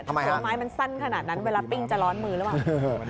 ตัวไม้มันสั้นขนาดนั้นเวลาปิ้งจะร้อนมือหรือเปล่า